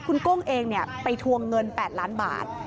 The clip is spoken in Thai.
คุณกุ้งเองไปทวงเงิน๘ล้านบาท